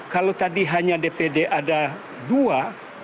kalau tadi hanya dpd ada dua